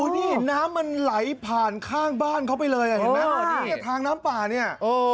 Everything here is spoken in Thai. นี่น้ำมันไหลผ่านข้างบ้านเขาไปเลยทางน้ำป่านี่